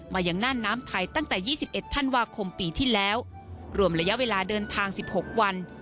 มายังน่านน้ำไทยตั้งแต่ยี่สิบเอ็ดท่านวาคมปีที่แล้วรวมระยะเวลาเดินทางสิบหกวัน